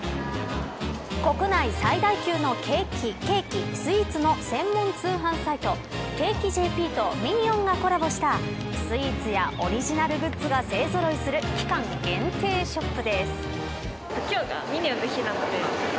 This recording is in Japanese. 国内で最大級のケーキ、スイーツの専門通販サイトケーキジェーピーとミニオンがコラボしたスイーツやオリジナルグッズが勢ぞろいする期間限定ショップです。